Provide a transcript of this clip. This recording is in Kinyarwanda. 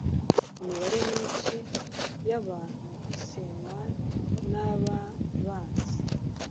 Imibanire myinshi y’abantu isenywa n’aba banzi.